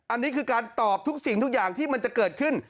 อันนี้คือการตอบทุกสิ่งทุกอย่างที่มันจะเกิดขึ้น